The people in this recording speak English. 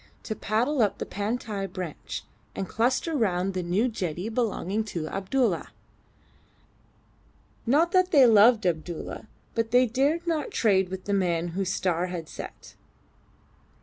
to paddle up the Pantai branch, and cluster round the new jetty belonging to Abdulla. Not that they loved Abdulla, but they dared not trade with the man whose star had set.